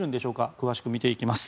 詳しく見ていきます。